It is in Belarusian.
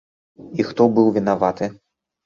І хто быў вінаваты?